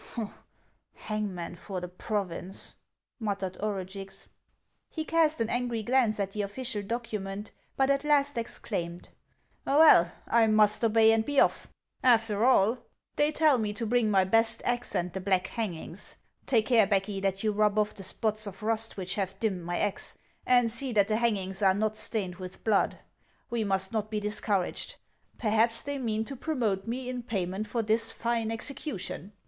" Hangman for the province !" muttered Orugix. 424 HANS OF ICELAND. He cast an angry glauce at the official document, but at last exclaimed :" Well, I must obey and be off. After all, they tell me to bring my best axe and the black hangings. Take care, Becky, that you rub off the spots of rust which have dimmed my axe, and see that the hangings are not stained with blood. We must not be discouraged ; per haps they mean to promote rne in payment for this line execution.